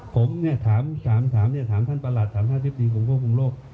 ผมถามพวกผู้โครงโลก